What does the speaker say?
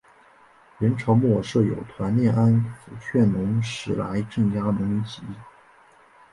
元朝末设有团练安辅劝农使来镇压农民起义。